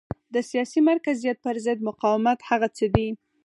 د سیاسي مرکزیت پرضد مقاومت هغه څه دي.